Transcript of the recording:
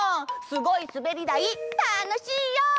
すごいすべりだいたのしいよ！